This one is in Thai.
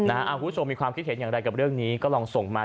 คุณผู้ชมมีความคิดเห็นอย่างไรกับเรื่องนี้ก็ลองส่งมา